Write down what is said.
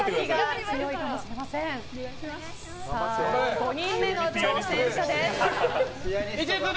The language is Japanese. ５人目の挑戦者です。